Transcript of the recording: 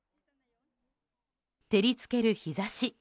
照り付ける日差し。